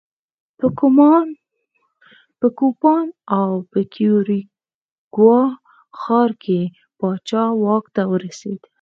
په کوپان په کیوریګوا ښار کې پاچا واک ته ورسېد.